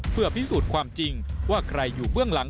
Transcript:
เพื่อพิสูจน์ความจริงว่าใครอยู่เบื้องหลัง